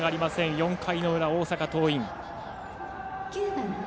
４回の裏の大阪桐蔭。